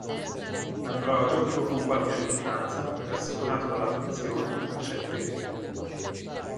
Ambrogio, pur con qualche riluttanza, rassicurato dalla finzione, accetta e firma.